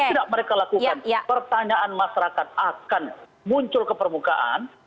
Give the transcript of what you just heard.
tidak mereka lakukan pertanyaan masyarakat akan muncul ke permukaan